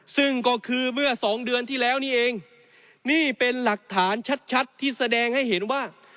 ซึ่งก็คือเมื่อสองเดือนที่แล้วนี่เองนี่เป็นหลักฐานชัดที่แสดงให้เห็นว่า